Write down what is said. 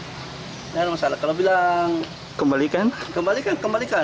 tidak ada masalah kalau bilang kembalikan kembalikan kembalikan